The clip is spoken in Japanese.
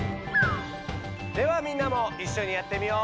ではみんなもいっしょにやってみよう！